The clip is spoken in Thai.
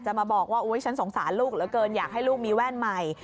มาบอกว่าอุ๊ยฉันสงสารลูกเหลือเกินอยากให้ลูกมีแว่นใหม่